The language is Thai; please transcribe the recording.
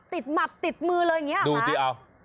หมับติดมือเลยอย่างนี้ดูสิเอา